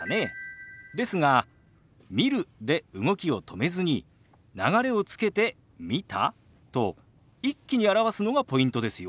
ですが「見る」で動きを止めずに流れをつけて「見た？」と一気に表すのがポイントですよ。